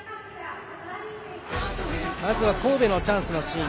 まずは神戸のチャンスのシーン。